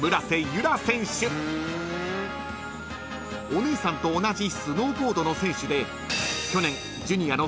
［お姉さんと同じスノーボードの選手で］